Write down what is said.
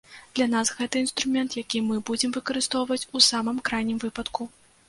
Для нас гэта інструмент, які мы будзем выкарыстоўваць у самым крайнім выпадку.